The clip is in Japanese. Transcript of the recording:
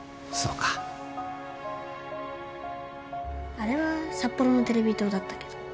あれは札幌のテレビ塔だったけど。